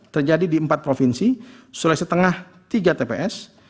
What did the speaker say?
terjadi di empat provinsi sulawesi tengah tiga tps